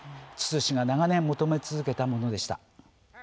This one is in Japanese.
ツツ氏が長年求め続けたものでした。